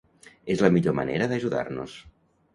Es la millor manera d’ajudar-nos.